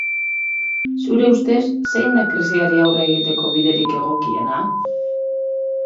Zure ustez zein da krisiari aurre egiteko biderik egokiena?